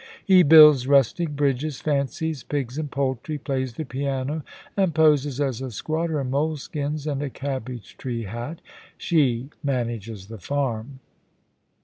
He builds rustic bridges, fancies pigs and poultry, plays the piano, and poses as a squatter in moleskins and a cabbage tree hat. She manages the farm.'